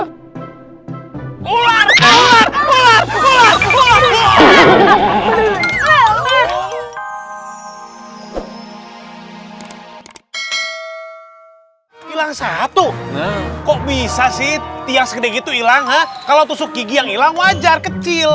hilang satu kok bisa sih yang segede gitu ilang kalau tusuk gigi yang ilang wajar kecil